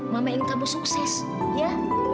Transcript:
mama ingin kamu sukses ya